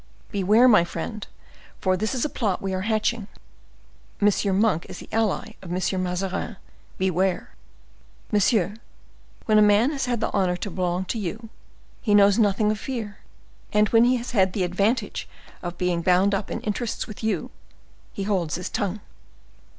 Beware, my friend, for this is a plot we are hatching. M. Monk is the ally of M. Mazarin—beware!" "Monsieur, when a man has had the honor to belong to you, he knows nothing of fear; and when he has had the advantage of being bound up in interests with you, he holds his tongue."